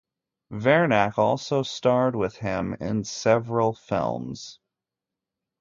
Vernac also starred with him in several films.